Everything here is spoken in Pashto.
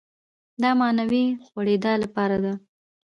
دا معنوي غوړېدا لپاره ده.